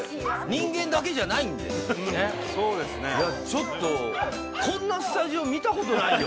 ちょっとこんなスタジオ見たことないよ。